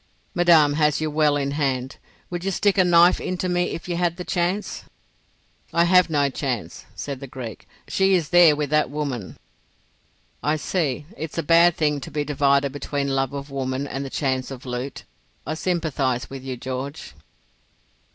"Madame has you well in hand. Would you stick a knife into me if you had the chance?" "I have no chance," said the Greek. "She is there with that woman." "I see. It's a bad thing to be divided between love of woman and the chance of loot. I sympathise with you, George."